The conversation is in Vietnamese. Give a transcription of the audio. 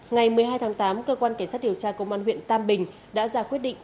ngày một mươi hai tháng tám cơ quan cảnh sát điều tra công an huyện tam bình đã ra quyết định